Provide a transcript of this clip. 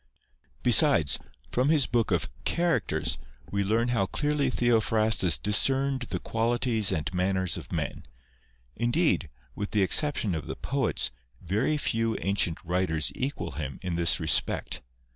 Besides, from his book of " Characters " we learn how clearly Theophrastus discerned the qualities and manners of men ; indeed, with the exception of the poets, very few ancient writers equal him in this respect.